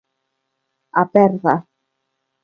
A perda.